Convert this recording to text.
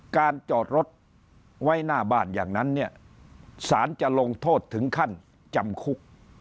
การจอดรถไว้หน้าบ้านอย่างนั้นเนี่ยสารจะลงโทษถึงขั้นจำคุก